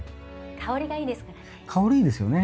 香りがいいですからね。